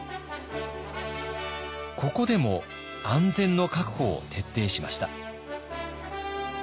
ここでも安全の確保を徹底しました。